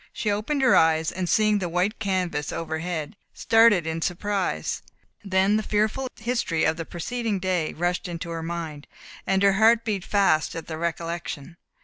She opened her eyes, and seeing the white canvas overhead, started in surprise; then the fearful history of the preceding day rushed into her mind, and her heart beat fast at the recollection.